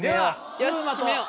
よし決めよう。